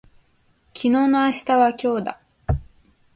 昨日の明日は今日だ